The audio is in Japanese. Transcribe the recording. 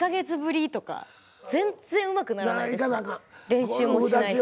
練習もしないし。